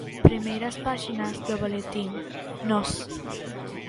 Primeiras páxinas do boletín 'Nós'.